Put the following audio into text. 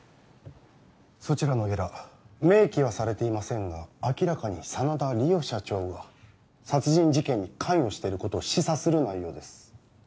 そちらのゲラ明記はされていませんが明らかに真田梨央社長が殺人事件に関与していることを示唆する内容です